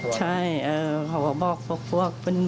ใช่เขาก็บอกพวก